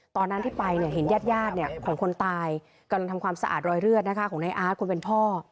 ตอนนั้นที่ไปเนี่ยเห็นญาติของคนตายกำลังทำความสะอาดรอยเลือดของนายอาร์ตคนเป็นพ่อ